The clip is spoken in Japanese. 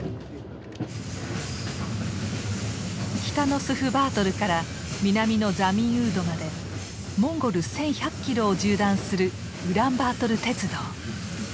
北のスフバートルから南のザミンウードまでモンゴル１，１００キロを縦断するウランバートル鉄道。